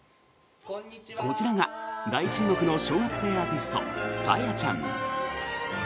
こちらが大注目の小学生アーティストＳａｙａちゃん。